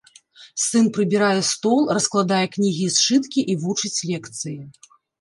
Сын прыбірае стол, раскладае кнігі і сшыткі і вучыць лекцыі.